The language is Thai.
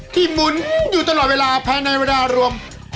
หมุนอยู่ตลอดเวลาภายในเวลารวม